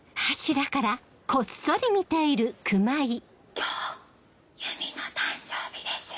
今日ゆみの誕生日ですよ。